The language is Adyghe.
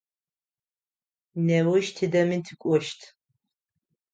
Неущ тыдэми тыкӏощт.